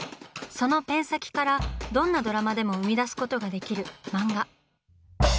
そのペン先からどんなドラマでも生み出すことができる「漫画」。